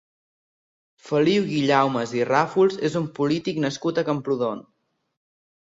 Feliu Guillaumes i Ràfols és un polític nascut a Camprodon.